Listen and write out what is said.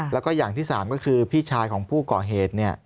แล้วก็อย่างที่๓ก็คือพี่ชายของผู้ก่อเหตุ